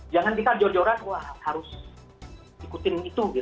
jangan kita jor joran wah harus ikutin itu